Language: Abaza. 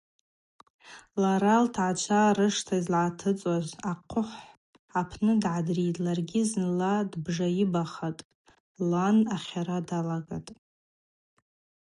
Лара лтгӏачва рышта йызлатыцӏуаз ахъвыхӏ апны дгӏадритӏ, ларгьи зынла дбжайыбахатӏ: лан ахьара дагатӏ.